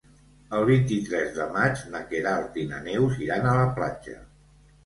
El vint-i-tres de maig na Queralt i na Neus iran a la platja.